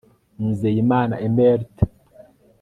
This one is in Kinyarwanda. nizeyimana emerthe